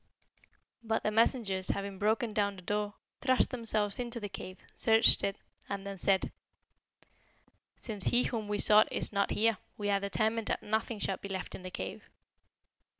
But the messengers having broken down the door, thrust themselves into the cave, searched it, and then said, 'Since he whom we sought is not here, we are determined that nothing shall be left in the cave.'